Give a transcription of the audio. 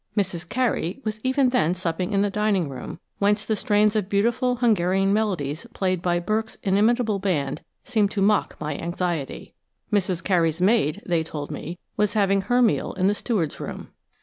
"Mrs. Carey" was even then supping in the dining room, whence the strains of beautiful Hungarian melodies played by Berkes' inimitable band seemed to mock my anxiety. "Mrs. Carey's maid," they told me, was having her meal in the steward's room.